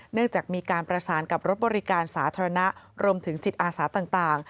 เนื่องจากมีการประสานกับรถบริการสาธารณะรวมถึงจิตอาสาต่าง